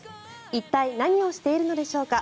一体何をしているのでしょうか。